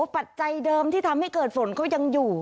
ปัจจัยเดิมที่ทำให้เกิดฝนเขายังอยู่